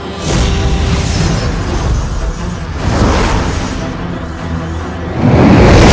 saya hanya menunjukkan ke kataku